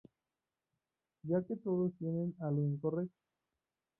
Ya que todos tienen algo incorrecto